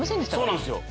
そうなんすよ